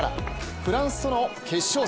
フランスとの決勝戦。